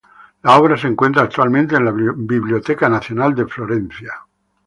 La obra se encuentra actualmente en la Biblioteca Nacional de Florencia.